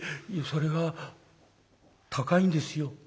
「それが高いんですよ」。